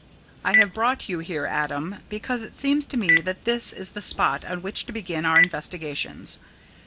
"I have brought you here, Adam, because it seems to me that this is the spot on which to begin our investigations.